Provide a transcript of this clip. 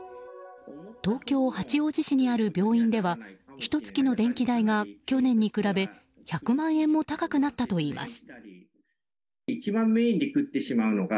東京・八王子市にある病院ではひと月の電気代が去年に比べ１００万円も高くなったといいます。